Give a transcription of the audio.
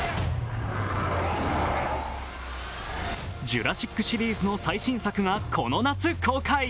「ジュラシック」シリーズの最新作がこの夏公開。